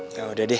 ya udah deh